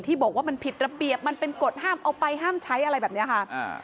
บอกว่ามันผิดระเบียบมันเป็นกฎห้ามเอาไปห้ามใช้อะไรแบบนี้ค่ะ